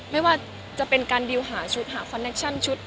ไม่ว่าจะเป็นการดิวหาชุดหาคอนเคชั่นชุด